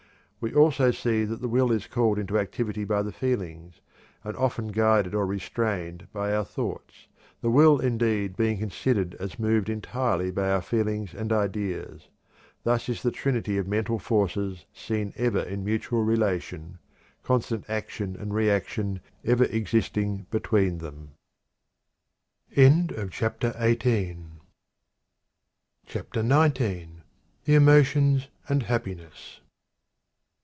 We also see that the will is called into activity by the feelings, and often guided or restrained by our thoughts, the will, indeed, being considered as moved entirely by our feelings and ideas. Thus is the trinity of mental forces seen ever in mutual relation constant action and reaction ever existing between them. CHAPTER XIX. The Emotions and Happiness.